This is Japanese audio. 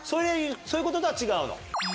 そういうこととは違うの？